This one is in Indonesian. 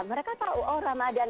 mereka tahu oh ramadhan